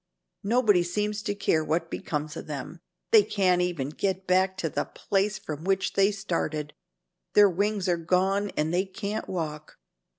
Nobody seems to care what becomes of them. They can't even get back to the place from which they started. Their wings are gone and they can't walk.